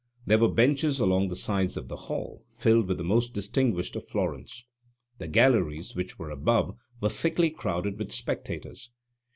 There were benches along the sides of the hall, filled with the most distinguished of Florence. The galleries, which were above, were thickly crowded with spectators.